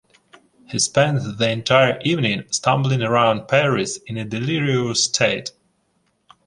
He spends the entire evening stumbling around Paris in a delirious state.